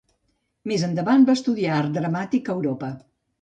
Més endavant va estudiar art dramàtic a Europa.